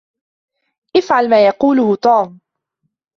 إفعل ما يقوله توم.